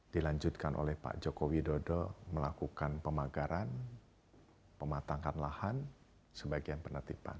dilanjutkan oleh pak joko widodo melakukan pemagaran pematangkan lahan sebagian penertiban